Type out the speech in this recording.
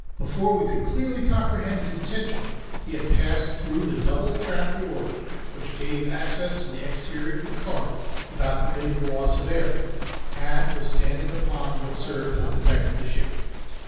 Before we could clearly comprehend his intention he had passed through the double trapped door which gave access to the exterior of the car without permitting the loss of air, and was standing upon what served as the deck of the ship.